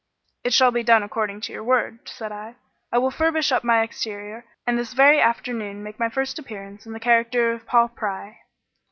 "It shall be done according to your word," said I. "I will furbish up my exterior, and this very afternoon make my first appearance in the character of Paul Pry."